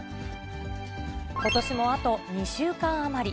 ことしもあと２週間余り。